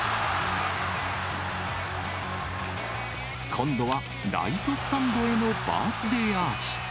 今度はライトスタンドへのバースデーアーチ。